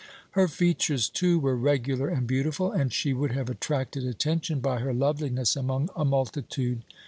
Her features, too, were regular and beautiful, and she would have attracted attention by her loveliness among a multitude.